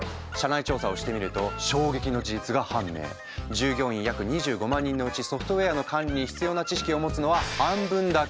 従業員約２５万人のうちソフトウェアの管理に必要な知識を持つのは半分だけ。